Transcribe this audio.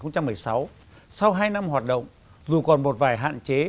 trong hai năm hoạt động dù còn một vài hạn chế